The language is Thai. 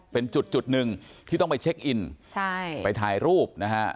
เป็นจุดจุดหนึ่งที่ต้องไปเช็คอินใช่ไปถ่ายรูปนะฮะ